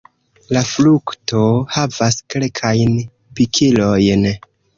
La frukto havas kelkajn pikilojn.